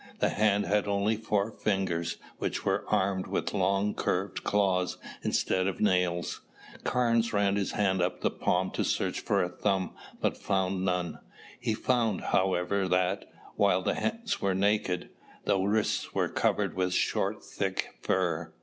The hand had only four fingers, which were armed with long curved claws instead of nails. Carnes ran his hand up the palm to search for a thumb but found none. He found, however, that, while the hands were naked, the wrists were covered with short thick fur.